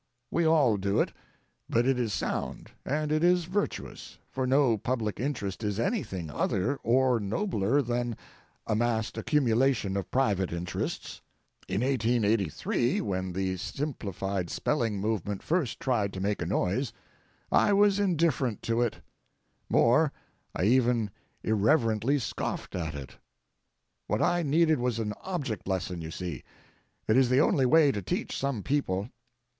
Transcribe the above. We all do it, but it is sound and it is virtuous, for no public interest is anything other or nobler than a massed accumulation of private interests. In 1883, when the simplified spelling movement first tried to make a noise, I was indifferent to it; more—I even irreverently scoffed at it. What I needed was an object lesson, you see. It is the only way to teach some people.